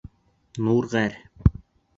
Нур ғәр.